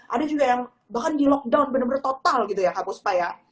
ada juga yang bahkan di lockdown benar benar total gitu ya kak buspa ya